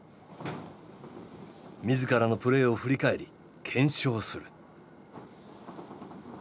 自らのプレーを振り返り検証する。